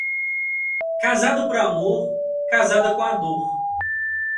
Casada por amor, casada com a dor.